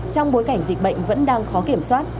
trong bối cảnh dịch bệnh vẫn đang khó kiểm soát